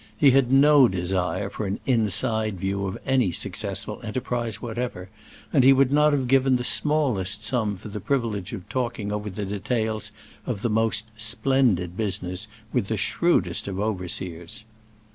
He had no desire for an "inside view" of any successful enterprise whatever, and he would not have given the smallest sum for the privilege of talking over the details of the most "splendid" business with the shrewdest of overseers.